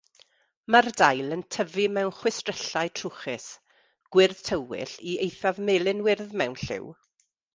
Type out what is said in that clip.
Mae'r dail yn tyfu mewn chwistrellau trwchus, gwyrdd tywyll i eithaf melyn-wyrdd mewn lliw.